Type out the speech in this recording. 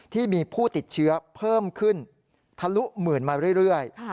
ที่มีผู้ติดเชื้อเพิ่มขึ้นทะลุหมื่นมาเรื่อย